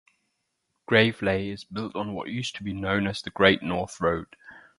Graveley is built on what used to be known as the Great North Road.